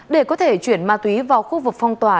để có thể chuyển ma túy vào khu vực phong tỏa